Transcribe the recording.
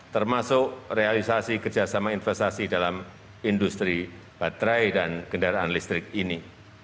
termasuk realisasi kerjasama investasi dalam industri baterai dan kendaraan listrik ini